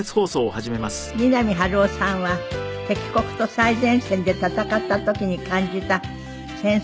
三波春夫さんは敵国と最前線で戦った時に感じた戦争の愚かさを。